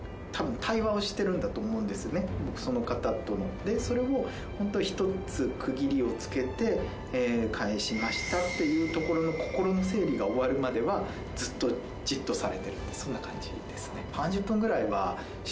でそれを本当１つ区切りをつけて返しましたっていうところの心の整理が終わるまではずっとじっとされてるってそんな感じですね。